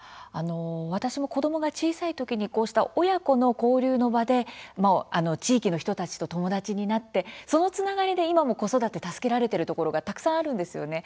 私も子どもが小さいときにこうした親子の交流の場で地域の人たちと友達になってそのつながりで今も子育てを助けられているところがたくさんあるんですよね。